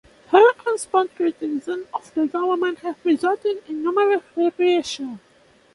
Her outspoken criticism of the government has resulted in numerous reprisals.